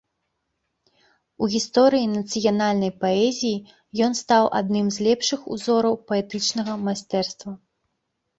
У гісторыі нацыянальнай паэзіі ён стаў адным з лепшых узораў паэтычнага майстэрства.